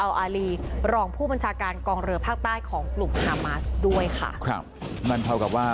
อารีรองผู้บัญชาการกองเรือภาคใต้ของกลุ่มฮามาสด้วยค่ะครับนั่นเท่ากับว่า